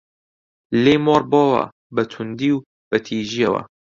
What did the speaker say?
لێی مۆڕ بۆوە بە توندی و بە تیژییە